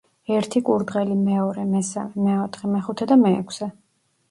ერთი კურდღელი, მეორე, მესამე, მეოთხე, მეხუთე და მეექვსე.